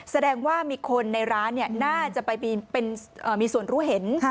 แสดงว่ามีคนในร้านน่าจะไปมีส่วนรู้เห็น